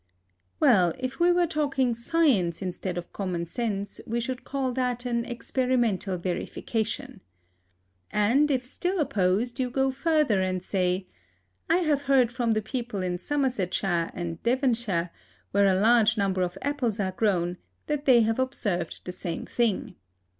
Well, if we were talking science instead of common sense, we should call that an experimental verification. And, if still opposed, you go further, and say, "I have heard from the people in Somersetshire and Devonshire, where a large number of apples are grown, that they have observed the same thing.